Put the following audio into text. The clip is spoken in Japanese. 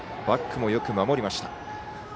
バックもよく守りました。